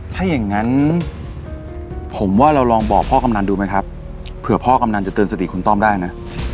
ถ้าอย่างงั้นผมว่าเราลองบอกพ่อกำนันดูไหมครับเผื่อพ่อกำนันจะเตือนสติคุณต้อมได้นะ